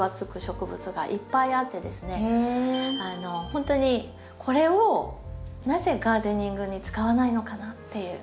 ほんとにこれをなぜガーデニングに使わないのかなっていう。